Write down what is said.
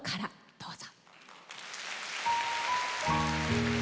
どうぞ。